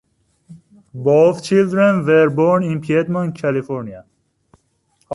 Both children were born in Piedmont, California.